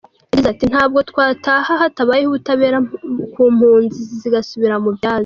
Yagize ati “Ntabwo twataha hatabaye ubutabera impunzi zose zigasubira mu byazo.